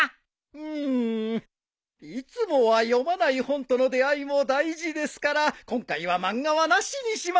うんいつもは読まない本との出合いも大事ですから今回は漫画はなしにしましょう。